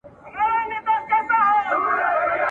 په لستوڼي کي خنجر د رقیب وینم ..